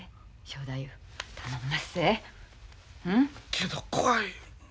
けど怖い。